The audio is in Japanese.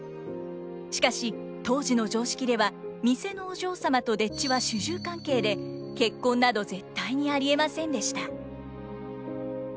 しかし当時の常識では店のお嬢様と丁稚は主従関係で結婚など絶対にありえませんでした。